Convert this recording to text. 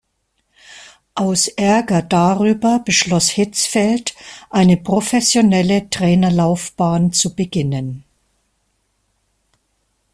Aus Ärger darüber beschloss Hitzfeld, eine professionelle Trainerlaufbahn zu beginnen.